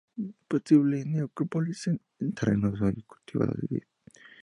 Posible necrópolis en terrenos hoy cultivados de vid.